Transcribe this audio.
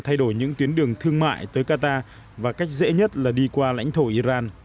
thay đổi những tuyến đường thương mại tới qatar và cách dễ nhất là đi qua lãnh thổ iran